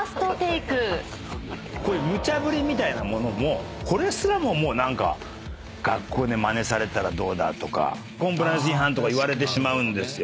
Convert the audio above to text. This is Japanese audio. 無茶振りみたいなものもこれすらももう何か学校でまねされたらどうだとかコンプライアンス違反とか言われてしまうんですよ。